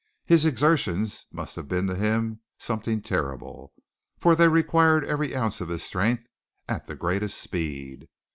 His exertions must have been to him something terrible, for they required every ounce of his strength at the greatest speed.